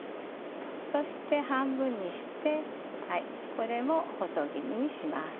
そして半分にしてこれも細切りにします。